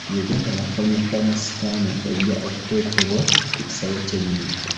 Uganda yafunye thermoscanner ejja okuteekebwa ku kisaawe ky'ennyonyi.